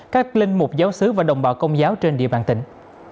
các linh mục giáo sứ và đồng bào công giáo trên địa bàn tỉnh